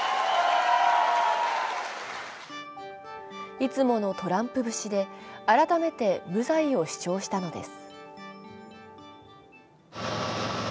いつものトランプ節で改めて無罪を主張したのです。